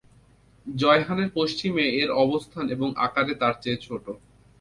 জায়হানের পশ্চিমে এর অবস্থান এবং আকারে তারচেয়ে ছোট।